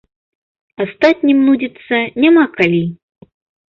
Астатнім нудзіцца няма калі.